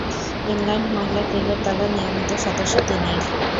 England মহিলা cricket দলের নিয়মিত সদস্য তিনি।